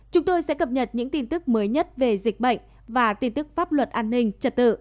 chúng tôi sẽ cập nhật những tin tức mới nhất về dịch bệnh và tin tức pháp luật an ninh trật tự